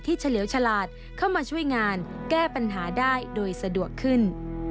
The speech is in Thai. เฉลียวฉลาดเข้ามาช่วยงานแก้ปัญหาได้โดยสะดวกขึ้น